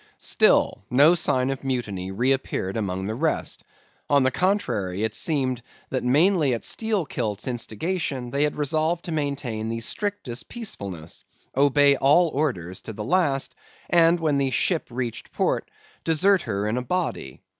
Still, no sign of mutiny reappeared among the rest. On the contrary, it seemed, that mainly at Steelkilt's instigation, they had resolved to maintain the strictest peacefulness, obey all orders to the last, and, when the ship reached port, desert her in a body.